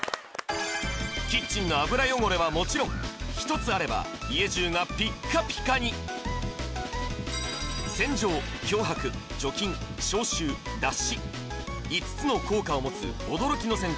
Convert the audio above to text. キッチンの油汚れはもちろん１つあれば家じゅうがピッカピカに洗浄漂白除菌消臭脱脂５つの効果を持つ驚きの洗剤